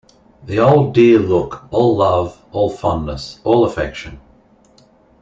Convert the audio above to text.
The old dear look, all love, all fondness, all affection.